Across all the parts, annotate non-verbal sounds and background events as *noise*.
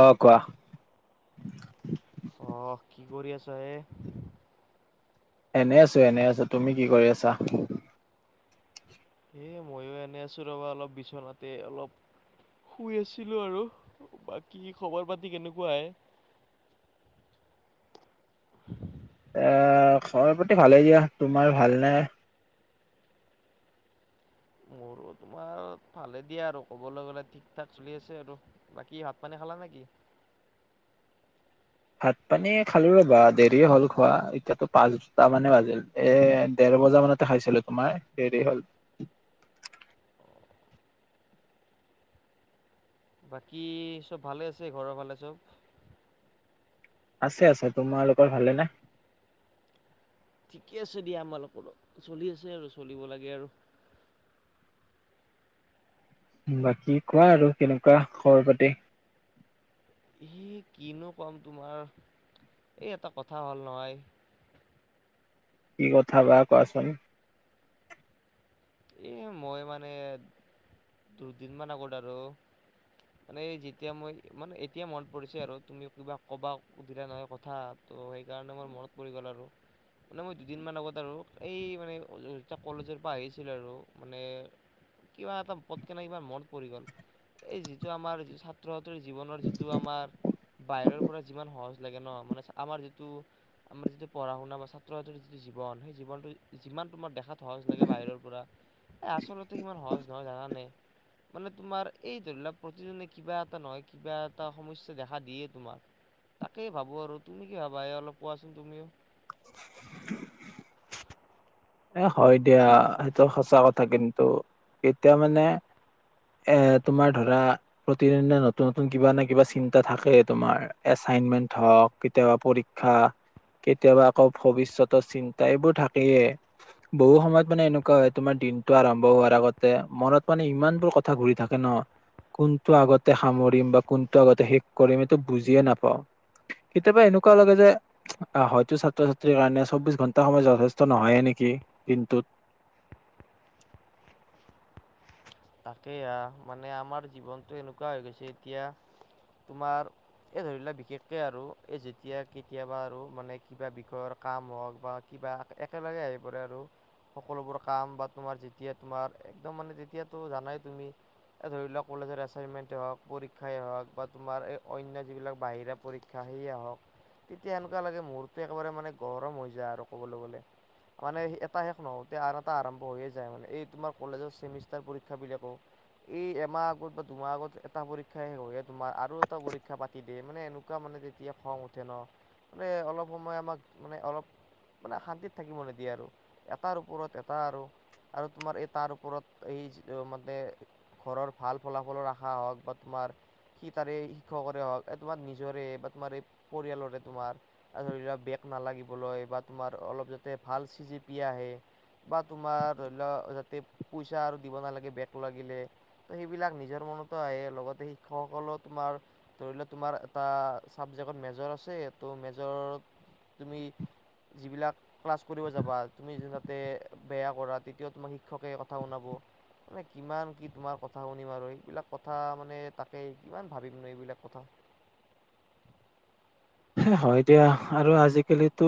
অ, কোৱা? অহ, কি কৰি আছা হে? এনেই আছো, এনেই আছো। তুমি কি কৰি আছা? এই ময়ো এনেই আছো, ৰবা অলপ বিচনাতে অলপ। শুই আছিলো আৰু, বাকী খবৰ পাতি কেনেকুৱা হে? *inaudible* *inaudible* এ খবৰ পাতি ভালেই দিয়া, তোমাৰ ভালনে? ভালেই দিয়া আৰু। ক'বলৈ গ'লে ঠিক ঠাক চলি আছে আৰু। বাকী ভাত পানী খালা নেকি? *inaudible* ভাত পানী খালো ৰ'বা দেৰি হ'ল খোৱা এতিয়াতো পাঁচটা মানে বাজিল এ দেৰ বজা মানতে খাইছিলো তোমাৰ দেৰি হ'ল। *inaudible* বাকী চব ভালে আছে ঘৰৰ ফালে চব? আছে আছে। তোমালোকৰ ভালে নে? ঠিকে আছে দিয়া আমাৰত চলি আছে আৰু চলিব লাগে আৰু। বাকী কোৱা আৰু কেনেকুৱা খবৰ পাতি? সি কিনো কম তোমাৰ এই এটা কথা হ'ল নহয়। *inaudible* কি কথা বা কোৱাচোন? এ মই মানে দুদিন মান আগত আৰু মানে যেতিয়া মই মানে এতিয়া মন পৰিছে আৰু তুমি কিবা ক'বা সুধিলা নহয় কথা ত সেইকাৰণে মোৰ মনত পৰি গ'ল আৰু। মানে মই দুদিন মান আগত আৰু এই মানে কলেজৰ পৰা আহিছ আছিল আৰু মানে কিবা এটা পথ কেনে কিবা মনত পৰি গ'ল, এই যিটো আমাৰ যিটো ছাত্ৰত জীৱনৰ যিটো আমাৰ বাহিৰৰ পৰা যিমান সহজ লাগে ন মানে আমাৰ যিটো আমাৰ যিটো পঢ়া শুনা বা ছাত্ৰ ছাত্ৰী যিটো জীৱন সেই জীৱনটো যিমান তোমাৰ দেখাত সহজ লাগে বাহিৰৰ ফুৰা এ আচলতে সিমান সহজ নহয় জানা নাই। মানে তোমাৰ এই ধৰিলাক প্ৰতিজনে কিবা এটা নহয় কিবা এটা সমস্যা দেখা দিয়ে তোমাক। তাকেই ভাবো আৰু, তুমি কি ভাবা এই অলপ কোৱাচোন তুমিও? এ হয় দিয়া, সেইটো সঁচা কথা কিন্তু এতিয়া মানে এ তোমাৰ ধৰা প্ৰতিদিনে নতুন নতুন কিবা নে কিবা চিন্তা থাকে তোমাৰ এচ চাইনমেন্ট হওক কেতিয়াবা পৰীক্ষা কেতিয়াবা আকৌ ভৱিষ্যতৰ চিন্তা এইবোৰ থাকেইয়ে। বহু সময়ত মানে এনেকুৱা হয় তোমাৰ দিনতটো আৰম্ভ হোৱাৰ আগতে মনত মানে ইমান বোৰ কথা ঘুৰি থাকে। ন কোনটো আগতে সামৰিম বা কোনটো আগতে শেষ কৰিম এইটো বুজিয়ে নাপাও। কেতিয়াবা এনেকুৱা লাগে যে অহ হয়তো ছাত্ৰ- ছাত্ৰীৰ কাৰণে চৌবিশ ঘন্টা সময় যথেষ্ট নহয়ে নেকি? কি দিনটোত। তাকেই আহ মানে আমাৰ জীৱনতটো এনেকুৱা হৈ গৈছে এতিয়া তোমাৰ এই ধৰি লোৱা বিশেষকৈ আৰু এই যেতিয়া কেতিয়াবা আৰু মানে কিবা বিষয়ৰ কাম হওক বা একেলগে আহি পৰে আৰু সকলোবোৰ কাম বা তোমাৰ যেতিয়া তোমাৰ একদম মানে তেতিয়া। তুমি জানাই তুমি ধৰি লওক কলেজৰ এচাইনমেন্টে হওঁক, পৰীক্ষাই হওঁক বা তোমাৰ এই অনন্য যিবিলাক বাহিৰা পৰীক্ষা সেয়া আহক তেতিয়া সেনেকুৱা লাগে মূৰটো একেবাৰে মানে গৰম হৈ যায় আৰু ক'বলৈ গ'লে। মানে এটা শেষ নহওঁতেই আন এটা আৰম্ভ হৈয়ে যায় মানে এই তোমাৰ কলেজৰ চেমিষ্টাৰ পৰীক্ষা বিলাকো এই এমাহ আগত বা দুমাহ আগত এটা পৰীক্ষাই শেষ দুমাহ আৰু এটা পৰীক্ষা কথা পাতি দিয়ে মানে এনেকুৱা মানে যেতিয়া খং উঠে ন মানে অলপ সময় আমাক মানে অলপ। মানে শান্তিত থাকিব নিদিয়ে আৰু এটাৰ ওপৰত এটা আৰু আৰু তোমাৰ এই তাৰ ওপৰত। এই মানে ঘৰৰ ভাল ফলাফলো ৰখা হওঁক বা তোমাৰ সি তাৰে শিক্ষকৰে হওঁক তোমাৰ নিজৰে বা তোমাৰ এই পৰিয়ালৰে তোমাৰ ধৰি লোৱা বেগ নালাগিবলৈ বা তোমাৰ অলপ যাতে ভাল চিজিপি আহে। বা তুমাৰ ধৰি ল' যতে পইচা আৰু দিব নালাগে বেগ লাগিলে তো সেইবিলাক নিজৰ মনতো আহে লগতে শিক্ষকসকলৰ তোমাৰ। ধৰিলোৱা তোমাৰ এটা চাবজেক্টত মেজৰ আছে ত মেজ তুমি যিবিলাক ক্লাছ কৰিব যাবা, তুমি যাতে বেয়া কৰা তেতিয়াও তোমাৰ শিক্ষকে ক কথা শুনাব, মানে কিমান, কি তোমাৰ কথা শুনিম আৰু, সেইবিলাক কথা মানে তাকে কিমান ভাবি এইবিলাক কথা। হয়, দিয়া আৰু আজিকালিতো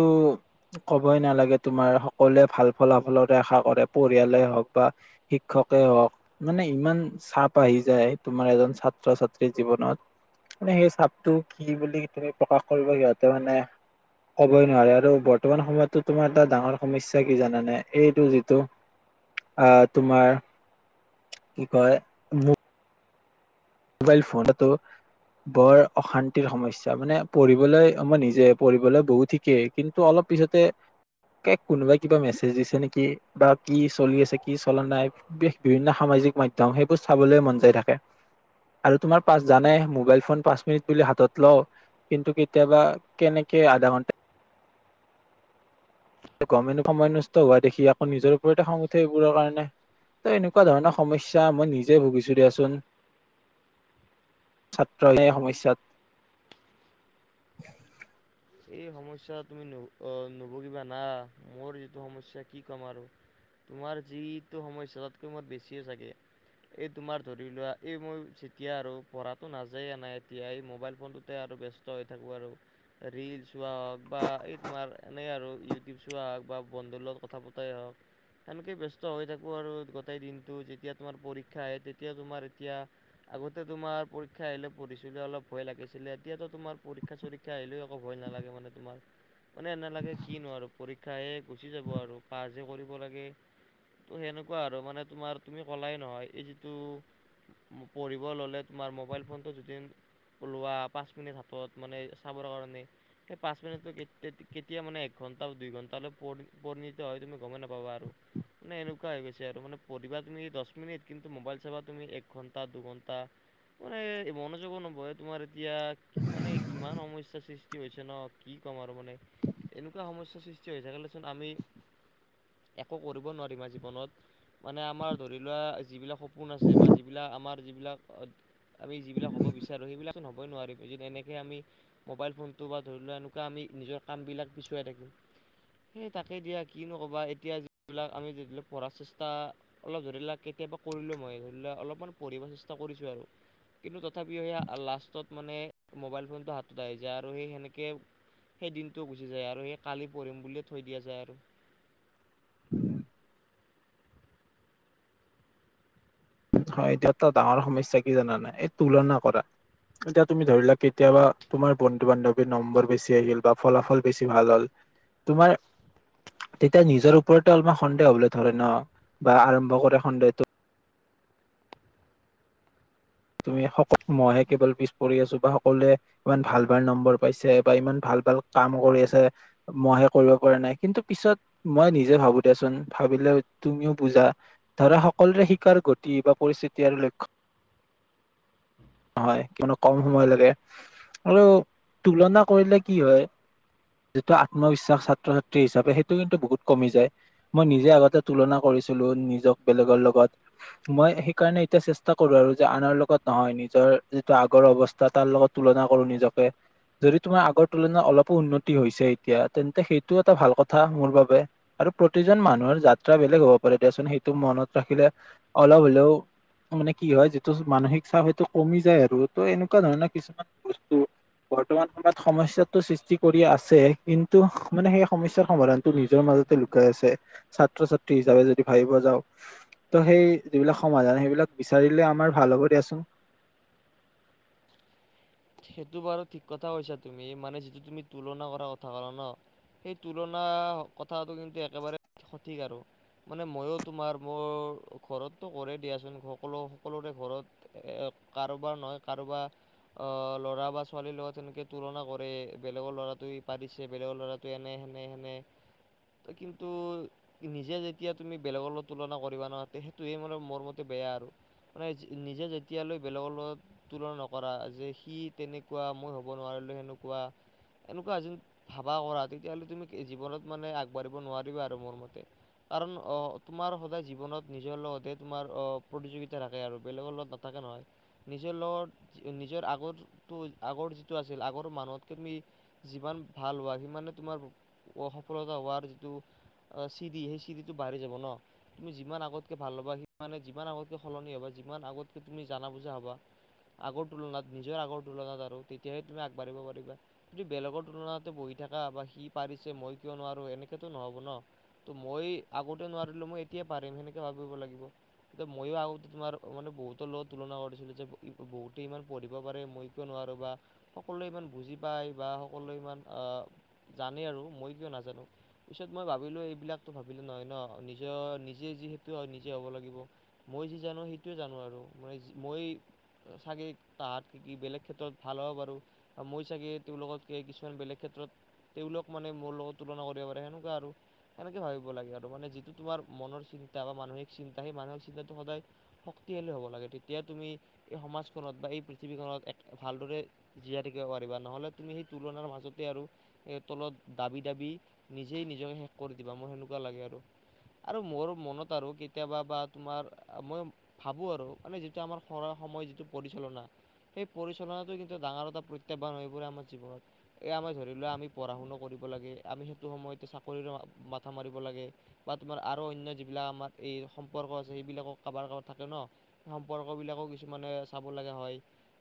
ক'বই নালাগে, তোমাৰ সকলোৱে ভাল ফলাফলতে আশা কৰে, পৰিয়ালে হওঁক বা শিক্ষকে হওঁক, মানে ইমান চাপ আহি যায় তোমাৰ এজন ছাত্ৰ ছাত্ৰী জীৱনত, মানে সেই চাপটো কি বুলি তুমি প্ৰকাশ কৰিব সিহঁতে মানে ক'বই নোৱাৰে আৰু বৰ্তমান সময়ততো তোমাৰ এটা ডাঙৰ সমস্যা কি জানানে? এইটো যিটো আ, তোমাৰ কি কয়, *unintelligible* মোবাইল ফোন *inaudible* বৰ অশান্তিৰ সমস্যা, মানে পঢ়িবলৈ মই নিজে পঢ়িবলৈ বহু শিকে কিন্তু অলপ পিছতে কোনোবাই কিবা মেছেজ দিছে নেকি, বা কি চলি আছে, কি চলা নাই, বিভিন্ন সামা জিক মাধ্যম সেইবোৰ চাবলৈ মন যায় থাকে। আৰু তোমাৰ পাছ জানাই মোবাইল ফোন পাঁচ মিনিট বুলি হাতত লওঁ। কিন্তু কেতিয়াবা কেনেকে আধা ঘন্টা গমেই নাপাওঁ, সময় নষ্ট হোৱা দেখি আকৌ নিজৰ ওপৰতে খং উঠে এইবোৰৰ কাৰণে। তই এনেকুৱা ধৰণৰ সমস্যা মই নিজে ভুগিছো দিয়াচোন ছাত্ৰ সমস্যাত এই সমস্যা তুমি নুবোজিব না মোৰ যিটো সমস্যা কি ক'ম আৰু তোমাৰ যিটো সমস্যা তাতকৈ মোৰ বেছিয়ে চাগে এই তোমাৰ ধৰি লোৱা এই মই যেতিয়া আৰু পঢ়টো নাযায়ে নাই এতিয়া এই মোবাইল ফোন তে আৰু ব্যস্ত হৈ থাকোঁ আৰু ৰিলচ চোৱা হওঁক বা এই তোমাৰ এনেই আৰু ইউটিউব চোৱা হওঁক বা বন্ধুৰ লগত কথা পতাই হওঁক। সেনকে ব্যস্ত হৈ থাকোঁ আৰু গোটেই দিনটো যেতিয়া তোমাৰ পৰীক্ষা আহে, তেতিয়া তোমাৰ এতিয়া আগতে তোমাৰ পৰীক্ষা আহিলে পঢ়িছিলোঁ, অলপ ভয় লাগিছিলে, এতিয়াতো তোমাৰ পৰীক্ষা, চৰীক্ষা আহিলেও একো ভয় নালাগে মানে তোমাৰ। মানে নালাগে কিনো আৰু পৰীক্ষাহে গুচি যাব, আৰু পাছহে কৰিব লাগে। ত সেনেকুৱা আৰু মানে তোমাৰ তুমি কলাই নহয় এই যিটো পঢ়িব ললে তোমাৰ মোবাইল ফোনটো যদিন ওলোৱা পাঁচ মিনিট হাতত মানে চাবৰ কাৰণে সে পাঁচ মিনিটটো কেতিয়া মানে এক ঘণ্টা দুই ঘণ্টা হলে পৰিণত হয় তুমি গমেই নাপাবা পাৰ মানে এনেকুৱা হৈ গৈছে আৰু মানে পঢ়িবা তুমি দহ মিনিট কিন্তু মোবাইল চাবা তুমি এক ঘণ্টা দুঘণ্টা মানে মনোযোগো নবয় তোমাৰ এতিয়া মানে কিমান সমস্যা হৈছে ন কি ক'ম আৰু মানে এনেকুৱা সমস্যাৰ সৃষ্টি হৈ থাকেচোন আমি একো কৰিব নোৱাৰিমা জীৱনত মানে আমাৰ ধৰি লোৱা যিবিলাক সপোন আছে বা যিবিলাক আমাৰ যিবিলাক আমি যিবিলাক হ'ব বিচাৰো সেইবিলাকোন হ'বই নোৱাৰিম য এনেকে আমি মোবাইল ফোন বা ধৰি লোৱা এনেকুৱা আমি নিজৰ কামবিলাক পিছুৱাই থাকিম সেই তাকে দিয়া কিনো কবা এতিয়া যিবিলাক আমি পঢ়াৰ চেষ্টা অলপ ধৰি লাককতি কেতিয়াবা কৰিলো মই ধৰি ল অলপমান পঢ়িব চেষ্টা কৰিছো আৰু কিন্তু তথাপিও সেই লাষ্টত মানে মোবাইল ফোনটো হাতত আহি যায় আৰু সেই সেনেকে সেই দিনটোও গুচি যায় আৰু সেই কালি পঢ়িম বুলিয়ে থৈ দিয়া যায় আৰু উম হয় এতিয়া ত ডাঙৰ সমস্যা কি জান নাই এই তুলনা কৰা এতিয়া তুমি ধৰি লোৱা কেতিয়াবা তোমাৰ বন্ধু বান্ধৱীৰ নম্বৰ বেছি আহিল বা ফলাফল বেছি ভাল হ'ল তোমাৰ তেতিয়া নিজৰ ওপৰতে অলপমান সন্দেহ হবলৈ ধৰে ন বা আৰম্ভ কৰে সন্দেহটো তুমি মহইে কেৱল পছ পঢ়ি আছো বা সকলোৱে ইমান ভাল ভাল নম্বৰ পাইছে বা ইমান ভালাল ভ ভাল কাম কৰি আছে মইে কৰিব পৰা নাই কিন্তু পিছত মই নিজে ভাবো দেিয়াচোন ভাবি তুমিও বুজা ধৰা সকলোৰে শিকাৰ গতি বা পৰিস্থিতি আৰু লক্ষ্ *inaudible* হয়, কনো কম সময় লাগে আৰু তুলনা কৰিলে কি হয় যিটো আত্মবিশ্বাস ছাত্ৰ ছাত্ৰী হিচাপে সেইটো কিন্তু বহুত কমি যায়, মই নিজে আগতে তুলনা কৰি নিজক বেলেগৰ লগত মই সেইকাৰণে এতিয়া চেষ্টা কৰো আৰু যে আনৰ লগত নহয় নিজৰ যিটো আগৰ অৱস্থা তাৰ লগত তুলনা কৰো নিজকে যদি তোমাৰ আগৰ তুলনাত অলপো উন্নতি হৈছে এতিয়া, তেন্তে সেইটো এটা ভাল কথা মোৰ বাবে আৰু প্ৰতিজন মানুহৰ যাত্ৰা বেলেগ হ'ব পাৰে দিয়াচোন সেইটো মনত ৰাখিলে অলপ হলেও মানে কি হয় যিটো মানসিক চাপ হয়তটো কমি যায় আৰু ত এনেকুৱা ধৰণৰ কিছুমান বস্তু বৰ্তমান সময়ত সমস্াতটো সৃষ্টি কৰি আছে, কিন্তু মানে সেই সমস্্যাৰ সমাধানতটো নিজৰ মাজত লুকাই আছে, ছাত্ৰ ছাত্ৰী হিচাপে যদি ভাবিব যাওঁ ত' সেই যিবিলাক সমাধান সেইবিলাক বিচাৰিলে আমাৰ ভাল কৰি আছো। সেইটো বাৰু ঠিক কথা কৈছা তুমি মানে যিটো তুমি তুলনা কৰা কথা ক'লা ন সেই তুলনা কথাটো কিন্তু একেবাৰে সঠিক আৰু মানে ময়ো তোমাৰ মোৰ ঘৰততো কৰে দিয়াচোন, সকলো সকলোৰে ঘৰত কাৰোবাৰ নহয় কাৰোবাৰ অ' ল'ৰা বা ছোৱালীৰ লগত সেনেকে তুলনা কৰে বেলেগৰ ল'ৰাটোৱে পাৰিছে, বেলেগৰ ল'ৰা এনে সেনে ননে এনে কিন্তু নিজে যেতিয়া তুমি বেলেগলৈ তুলনা কৰিবা নহ সেইটোয়ে মানে মোৰ মতে বেয়া আৰু মানে নিজে যেতিয়ালৈ বেলেগৰ লগত তুলনা নকৰা যে সি তেনেকুৱা মই হ'ব নোৱাৰিলোঁ সেনেকুৱা এনেকুৱা এ যে ভাবা কৰা তেতিয়াাহ'লে তুমি জীৱনত মানে আগবাঢ়িব নোৱাৰিবা আৰু মোৰ মতে কাৰণ অ' তোমাৰ সদায় জীৱনত নিজৰ লগতে তোমাৰ অ' প্ৰতিযোগিতা থাকে আৰু বেলেগৰ লগত নাথাকে ন নিজৰ লগত নি নিজৰ আগৰটো আগৰ যিটো আছিল আগৰ মানুহতকে তুমি যিমান ভাল হোৱা, সিমানে তোমাৰ অসফলতা হোৱাৰ যিটো অ চিৰি সেই চিৰিটো বাঢ়ি যাব ন তুমি যিমান আগতকে ভাল হ'বা, সিমানে যিমান আগতকে সলনি হ'বা যিমান আগতকৈ তুমি জানা বুজা হ'বা, আগত তুলনাত নিজৰ আগৰ তুলনাত আৰু তেতিয়াহে তুমি আগবাঢ়িব পাৰিবা, যদি বেলেগৰ তুলনাততে বহি থাককা বা কি পাৰিছে মই কিয় নোৱাৰো এনেকেতো নহ'ব ন। ত' মই আগতে নোৱাৰিলো মই এতিয়াই পাৰিম সেনেকে ভাবিব লাগিব। মই আগ তোমাৰ মানে বহুত লোক তুলনা কৰিছিলো, যে বুত ইমান পঢ়িব পাৰে মই কিয় নোৱাৰোঁ বা সকলোৱে ইমান বুজি পায় বা সকলোৱে ইমান আহ জানেই আৰু মই কিয় নাজানো? পিছত মই ভাবিলো এইবিলাকতো ভাবিলো নহয় ন, নিজৰ নিজে যিহেতু হয় নিজে হ'ব লাগিব। মই যি জানো সেইটোৱে জানো আৰু মানে মই চাগেই তাহাঁাত কি বেলেগ ক্ষেত্ৰত ভাল হ'ব পাৰোঁ আৰু মই চাগে তেওঁলোকত কিছুমান বেলেগ ক্ষেত্ৰত তেওঁলোক মানে মোৰ লগত তুলনা কৰিব পাৰে, সেনেকুৱা আৰু সেনেকে ভাবিব লাগে আৰু মানে যিটো তোমাৰ মনৰ চিন্তা বা মানসিক চিন্তা সেই মানসিক চিন্তাটো সদায় তেতিয় হ'ব লাগে তেতিয়া তুমি এই সম ত বা এই পৃথিৱীখনত ভালদৰে জীয়াই থাকিব পাৰিবা, নহ'লে তুমি সেই তুলনাৰ মাজতে আৰু তলত দাবি দাবি নিজেই নিজকে শেষ কৰি দিবা মোৰ সেনেকুৱা লাগে আৰু। আৰু মোৰ মনত আৰু কেতিয়াবা বা তোমাৰ মই ভাবো আৰু মানে যিটো আমাৰ স সময় যিটো পৰিচালনা। সেই পৰিচালনাটো কিন্তু ডাঙৰ এটা প্ৰত্যাহ্বান এইবোৰে আমাৰ জীৱনত, এই আমাৰ ধৰি লোৱা আমি পঢ়া শুনা স সময় চ ম ল বা তমাৰ আৰু যিবিলাক আমাৰ সম্পৰ্ক আছে সেইবিলাকো কাৰোবাৰ কাৰবাৰ থাকে ন সম্পৰ্ক বিলাকো কিছুমানে চাব লগা হয়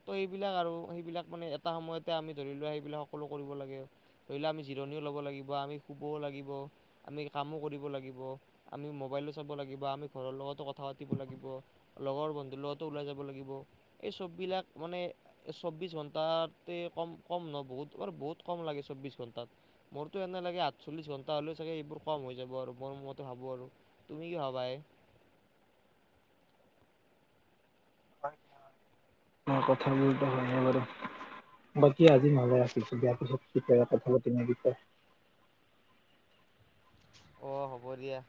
তো সেইবিলাক আৰু সেইবিলাক মানে এটা সময়তে আমি ধৰি লোৱা সেইবিলাক সকলো কৰিব লাগে। ধৰি লওক আমি জিৰণিও ল'ব লাগিব, আমি শুবও লাগিব, আমি কামো কৰিব লাগিব, আমি মোবাইলো চাব লাগিব আমি ঘৰৰ লগতো কথা পাতিব লাগিব লগৰ বন্ধুৰ লগতো ওলাই যাব লাগিব এই চব বিলাক মানে চৌবিশ ঘন্টাতে কম কম ন বহুত ব বহুত কম ল লাগে চৌব্বশ ঘণ্টাত মোৰতো এনে লাগে আঠচল্লিছ ঘণ্টা হ'লেও চাগে সবোৰ কম হৈ যাব আৰু মোৰ মতে ভাবো আৰু তুমি কি ভাবা এ *unintelligible* কথাবোৰতো হয়নে বাৰু বাকী আজি নালে ৰাখিছো দিয়াৰ পিছত কি ক কথা পাতিম বিষয় *inaudible* অ হ'ব দিয়া